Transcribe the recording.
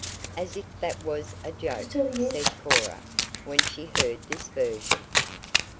"As if that was a joke," said Cora, when she heard this version.